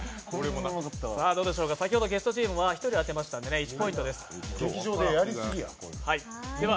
先ほどゲストチームは１人当てましたんで１ポイントです。